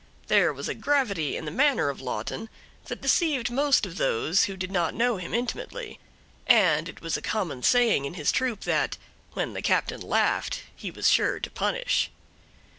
There was a gravity in the manner of Lawton that deceived most of those who did not know him intimately; and it was a common saying in his troop, that "when the captain laughed, he was sure to punish."